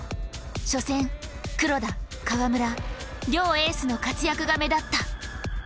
初戦黒田・川村両エースの活躍が目立った。